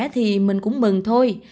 thì mình cũng mừng thôi